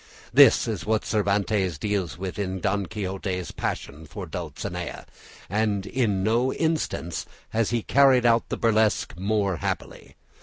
This is what Cervantes deals with in Don Quixote's passion for Dulcinea, and in no instance has he carried out the burlesque more happily.